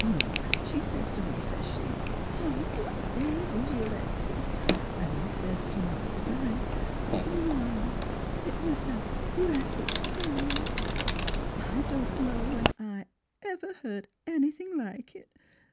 Ma she sez to me, sez she, 'What ails you Lecty?' And I sez to ma, sez I, * Ma, it was that blessed sermon. I don't know when I ever heard anything like it